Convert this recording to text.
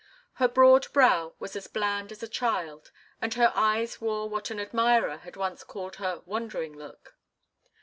Her broad brow was as bland as a child's, and her eyes wore what an admirer had once called her "wondering look."